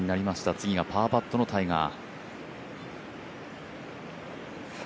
次がパーパットのタイガー。